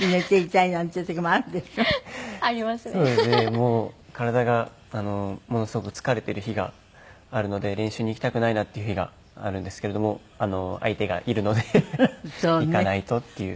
もう体がものすごく疲れている日があるので練習に行きたくないなっていう日があるんですけれども相手がいるので行かないとっていう。